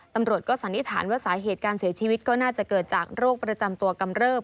ตำรวจก็สันนิษฐานว่าสาเหตุการเสียชีวิตก็น่าจะเกิดจากโรคประจำตัวกำเริบ